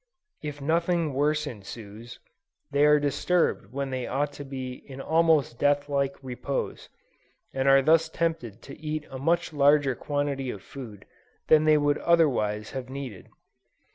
If nothing worse ensues, they are disturbed when they ought to be in almost death like repose, and are thus tempted to eat a much larger quantity of food than they would otherwise have needed.